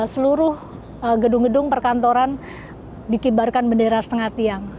seluruh gedung gedung perkantoran dikibarkan bendera setengah tiang